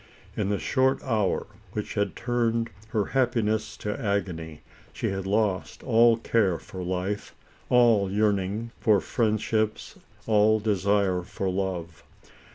In the short hour, which had turned her happiness to agony, she had lost all care for life, all yearning for friend ships, all desire for love.